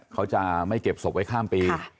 เขาจะไม่เก็บศพไว้ข้ามปี